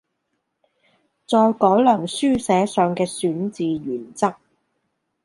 再改良書寫上嘅選字原則